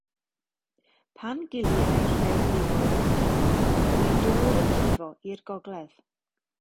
Pan giliai'r rhewlifoedd ymhellach, byddai dwr yn llifo i'r gogledd.